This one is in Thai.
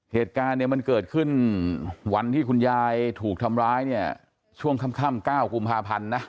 เหตุการณ์เนี่ยมันเกิดขึ้นวันที่คุณยายถูกทำร้ายเนี่ยช่วงค่ำ๙กุมภาพันธ์นะ